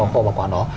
kho bảo quản đó